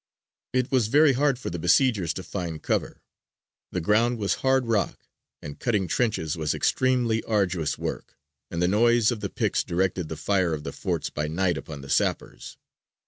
It was very hard for the besiegers to find cover. The ground was hard rock, and cutting trenches was extremely arduous work, and the noise of the picks directed the fire of the forts by night upon the sappers.